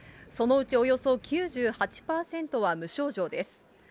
そのうちおよそ９８％は無症状です。